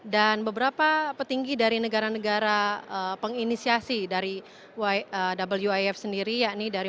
dan beberapa petinggi dari negara negara penginisiasi dari wif sendiri